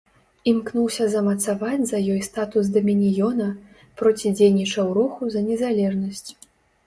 Імкнуўся замацаваць за ёй статус дамініёна, процідзейнічаў руху за незалежнасць.